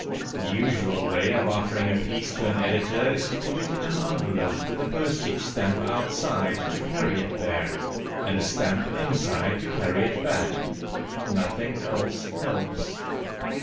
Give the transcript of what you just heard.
The usual way of offering a piece to an editor is to put it in an envelope with a postage stamp outside to carry it there, and a stamp inside to carry it back. Nothing else helps.